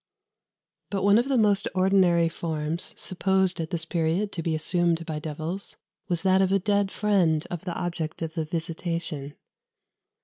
But one of the most ordinary forms supposed at this period to be assumed by devils was that of a dead friend of the object of the visitation.